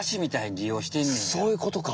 そういうことか。